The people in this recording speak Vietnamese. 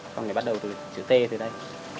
con này bắt đầu từ chữ t từ đây